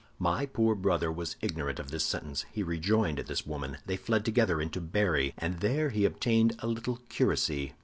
My poor brother was ignorant of this sentence. He rejoined this woman; they fled together into Berry, and there he obtained a little curacy.